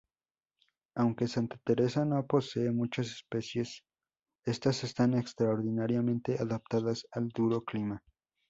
Aunque Santa Teresa no posee muchas especies, estas están extraordinariamente adaptadas al duro clima.